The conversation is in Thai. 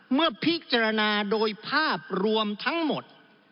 เมื่อพิจารณาโดยภาพรวมทั้งหมด